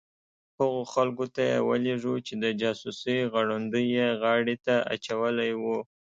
هغو خلکو ته یې ولېږو چې د جاسوسۍ غړوندی یې غاړې ته اچولي وو.